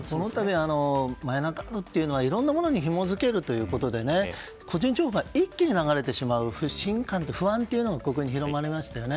マイナンバーカードはいろんなものにひも付けるということで個人情報が一気に流れてしまう不信感・不安がここに広まりましたね。